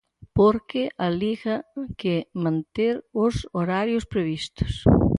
Porque a Liga que manter os horarios previstos.